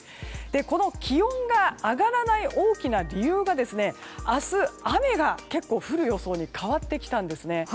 この気温が上がらない大きな理由が明日、雨が結構降る予想に変わってきたんですね。